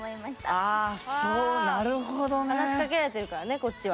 あ話しかけられてるからねこっちは。